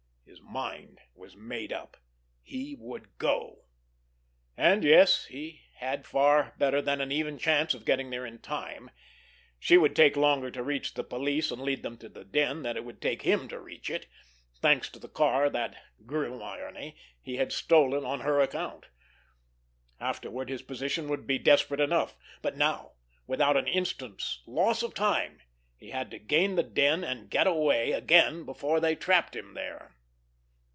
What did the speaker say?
His mind was made up. He would go! And, yes, he had far better than an even chance of getting there in time. She would take longer to reach the police and lead them to the den than it would take him to reach it—thanks to the car that, grim irony! he had stolen on her account. Afterward his position would be desperate enough; but now, without an instant's loss of time, he had to gain the den and get away again before they trapped him there.